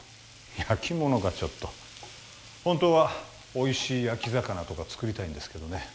焼き物がちょっと本当はおいしい焼き魚とか作りたいんですけどね